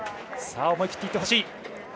思い切っていってほしい。